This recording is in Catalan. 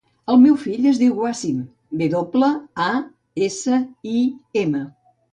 El meu fill es diu Wasim: ve doble, a, essa, i, ema.